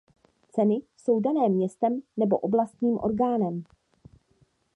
Ceny jsou dané městem nebo oblastním orgánem.